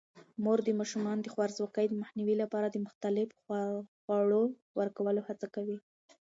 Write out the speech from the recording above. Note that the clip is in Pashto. مور د ماشومانو د خوارځواکۍ د مخنیوي لپاره د مختلفو خوړو ورکولو هڅه کوي.